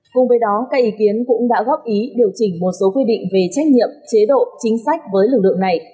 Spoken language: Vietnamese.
cùng với đó các ý kiến cũng đã góp ý điều chỉnh một số quy định về trách nhiệm chế độ chính sách với lực lượng này